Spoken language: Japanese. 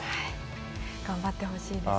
頑張ってほしいですね。